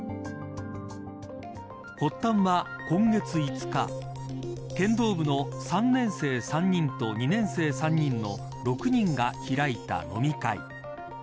発端は今月５日剣道部の３年生３人と２年生３人の６人が開いた飲み会。